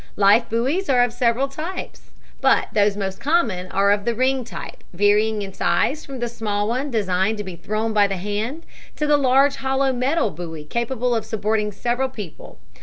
Life buoys are of several types, but those most common are of the ring type, varying in size from the small one designed to be thrown by hand to the large hollow metal buoy capable of supporting several people.